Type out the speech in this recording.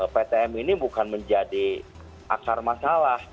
ptm ini bukan menjadi akar masalah